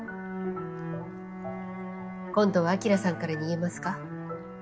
今度は晶さんから逃げますか？